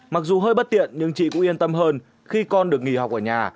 mặc dù hơi bất tiện nhưng chị cũng yên tâm hơn khi con được nghỉ học ở nhà